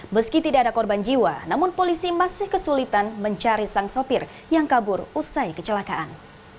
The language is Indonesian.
meski tidak ada korban jiwa namun polisi masih kesulitan mencari sang sopir yang kabur usai kecelakaan